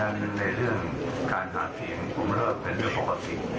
อันนั้นในเรื่องการหาเสียงผมเลิกเป็นเรื่องปกติ